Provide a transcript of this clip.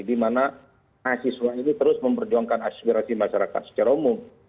di mana mahasiswa ini terus memperjuangkan aspirasi masyarakat secara umum